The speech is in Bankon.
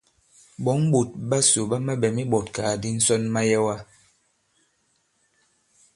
Ɓɔ̌ŋ ɓòt ɓasò ɓa maɓɛ̀m iɓɔ̀tkàgàdi ǹsɔn mayɛwa.